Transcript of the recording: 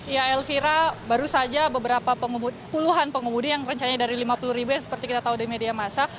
ya elvira baru saja beberapa puluhan pengemudi yang rencananya dari lima puluh ribu yang seperti kita tahu di media masa